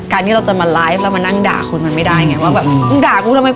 การที่เราจะมาไลฟ์เรามานั่งด่าคนมันไม่ได้ไง